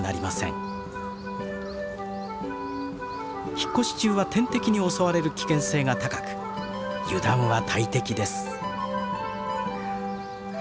引っ越し中は天敵に襲われる危険性が高く油断は大敵です。